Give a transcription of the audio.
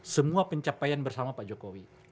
semua pencapaian bersama pak jokowi